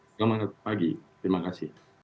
selamat pagi terima kasih